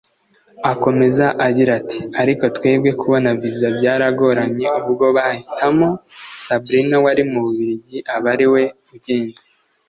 Akomeza agira ati “Ariko twebwe kubona visa byaragoranye ubwo bahitamo Sabrina wari mu Bubiligi aba ariwe ugenda